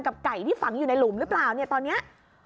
ไก่ที่ฝังอยู่ในหลุมหรือเปล่าเนี่ยตอนนี้